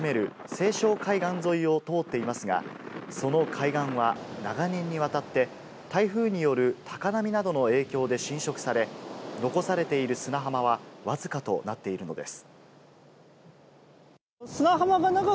西湘海岸沿いを通っていますが、その海岸は長年にわたって台風による高波などの影響で浸食され、残されている砂浜はわずかとなっているのです。